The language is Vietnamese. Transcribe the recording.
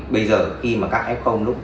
bây giờ khi các f